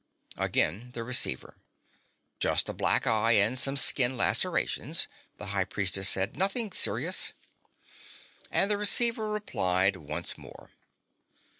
Again the receiver. "Just a black eye and some skin lacerations," the High Priestess said. "Nothing serious." And the receiver replied once more.